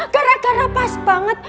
gara gara pas banget